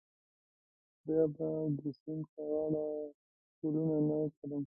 بیا به د سیند پر غاړه ګلونه نه کرم.